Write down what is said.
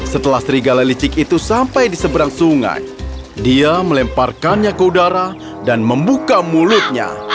setelah serigala licik itu sampai di seberang sungai dia melemparkannya ke udara dan membuka mulutnya